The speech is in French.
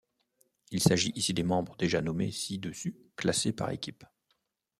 Il s'agit ici des membres déjà nommés ci-dessus classés par équipe.